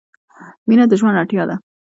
• مینه د ژوند اړتیا ده.